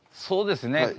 そうですね